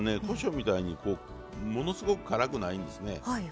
こしょうみたいにものすごく辛くないんですね。